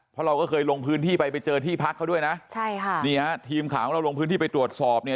เพราะเราก็เคยลงพื้นที่ไปไปเจอที่พักเขาด้วยนะใช่ค่ะนี่ฮะทีมข่าวของเราลงพื้นที่ไปตรวจสอบเนี่ย